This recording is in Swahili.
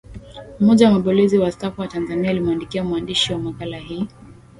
Mmoja wa mabalozi wastaafu wa Tanzania alimwandikia mwandishi wa makala hii